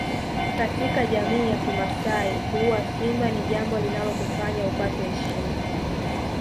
Katika jamii ya kimasai kuua Simba ni jambo linalokufanya upate heshima